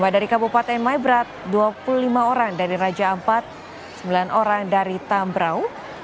dari kabupaten maibrat dua puluh lima orang dari raja ampat sembilan orang dari tambrau